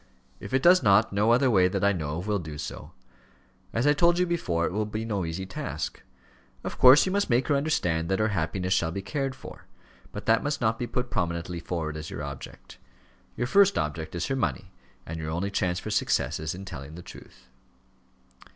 "If it does not, no other way, that I know of, will do so. As I told you before, it will be no easy task. Of course you must make her understand that her happiness shall be cared for; but that must not be put prominently forward as your object. Your first object is her money, and your only chance for success is in telling the truth."